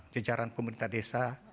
kejaran pemerintah desa